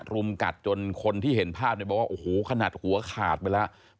รุมกัดจนคนที่เห็นภาพเนี่ยบอกว่าโอ้โหขนาดหัวขาดไปแล้ว